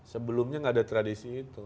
sebelumnya nggak ada tradisi itu